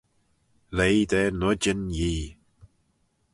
Leih da noidyn Yee.